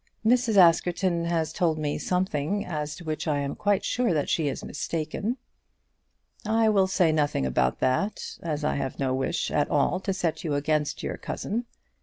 "Mrs. Askerton has told me something as to which I am quite sure that she is mistaken." "I will say nothing about that, as I have no wish at all to set you against your cousin.